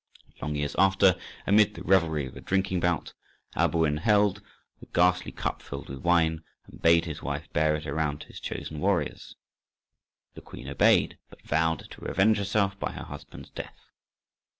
Long years after, amid the revelry of a drinking bout, Alboin had the ghastly cup filled with wine, and bade his wife bear it around to his chosen warriors. The queen obeyed, but vowed to revenge herself by her husband's death.